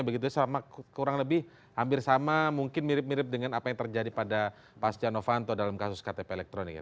begitu selama kurang lebih hampir sama mungkin mirip mirip dengan apa yang terjadi pada pak stiano fanto dalam kasus ktp elektronik ya